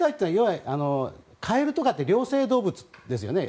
カエルとかは両生動物ですよね。